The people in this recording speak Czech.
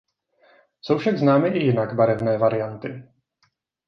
Jsou však známy i jinak barevné varianty.